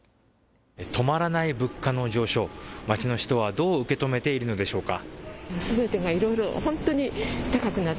止まらない物価の上昇、街の人はどう受け止めているのでしょうか。